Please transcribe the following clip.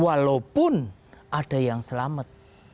walaupun ada yang selamat